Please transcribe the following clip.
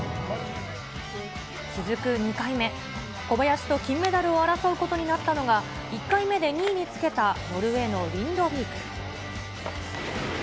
小林と金メダルを争うことになったのが、１回目で２位につけたノルウェーのリンドビーク。